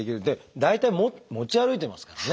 大体持ち歩いてますからね